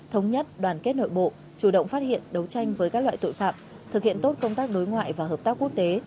thống nhất đoàn kết nội bộ chủ động phát hiện đấu tranh với các loại tội phạm thực hiện tốt công tác đối ngoại và hợp tác quốc tế